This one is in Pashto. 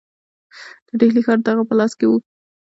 د ډهلي ښار د هغه په لاس کې وو.